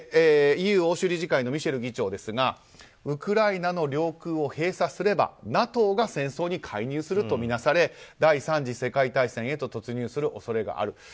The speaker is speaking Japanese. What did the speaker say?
ＥＵ・欧州理事会のミシェル議長ですがウクライナの領空を閉鎖すればＮＡＴＯが戦争に介入するとみなされ第３次世界大戦へと突入する恐れがある。